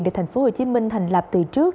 để tp hcm thành lập từ trước